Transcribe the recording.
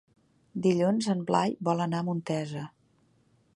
Dilluns en Blai vol anar a Montesa.